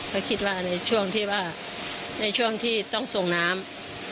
ก็คิดว่าในช่วงที่ว่าในช่วงที่ต้องส่งน้ำ